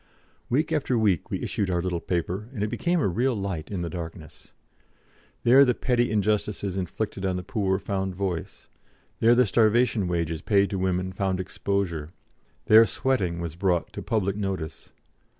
Week after week we issued our little paper, and it became a real light in the darkness. There the petty injustices inflicted on the poor found voice; there the starvation wages paid to women found exposure; there sweating was brought to public notice.